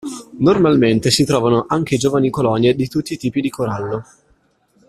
Normalmente si trovano anche giovani colonie di tutti i tipi di corallo.